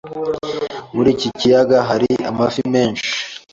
Muri iki kiyaga hari amafi menshi.